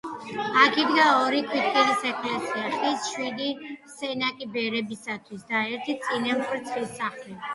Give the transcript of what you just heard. აქ იდგა ორი ქვიტკირის ეკლესია, ხის შვიდი სენაკი ბერებისათვის და ერთიც წინამძღვრის ხის სახლი.